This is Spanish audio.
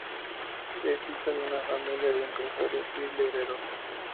Es hija de una familia de impresores y libreros.